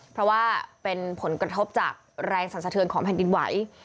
เพราะว่าเป็นผลกระทบจากแรงสรรสะเทือนของแผ่นดินไหว